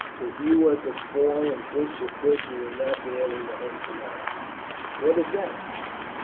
If you were to fall and twist your foot you would not be able to hunt tomorrow." "What is that?"